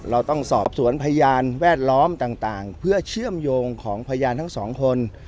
เราต้องสอบสวนพยานแวดล้อมต่างเพื่อเชื่อมโยงของพยานทั้งสองคน